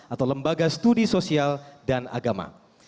atau lembaga studi sosial dan agama